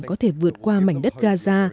có thể vượt qua mảnh đất gaza